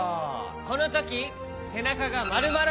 このときせなかがまるまら